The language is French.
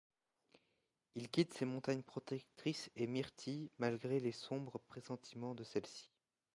Il quitte ses montagnes protectrices et Myrtille malgré les sombres pressentiments de celle-ci.